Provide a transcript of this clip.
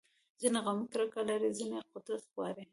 ځینې قومي کرکه لري، ځینې قدرت غواړي.